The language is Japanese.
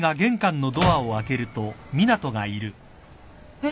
えっ？